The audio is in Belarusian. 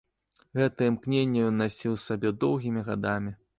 Гэтае імкненне ён насіў у сабе доўгімі гадамі.